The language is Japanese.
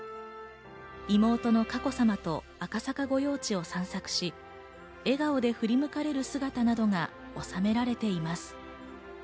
妹の佳子さまと赤坂御用地を散策し、笑顔で振り向かれる姿などが収められています。